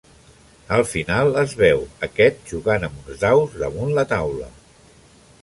Al final es veu aquest jugant amb uns daus damunt la taula.